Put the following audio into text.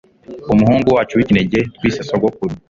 umuhungu wacu w'ikinege twise sogokuru